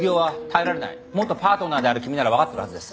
元パートナーである君ならわかってるはずです。